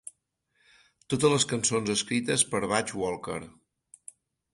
Totes les cançons escrites per Butch Walker.